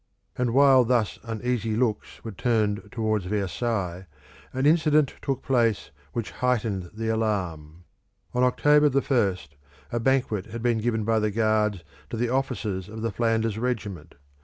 And while thus uneasy looks were turned towards Versailles, an incident took place which heightened the alarm. On October 1st a banquet had been given by the Guards to the officers of the Flanders Regiment.